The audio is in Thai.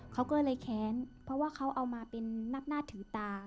เขาก็เลยแค้นเพราะว่าเขาเอามาเป็นนับหน้าถือตา